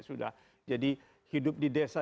sudah jadi hidup di desa